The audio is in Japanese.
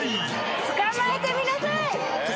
捕まえてみなさい。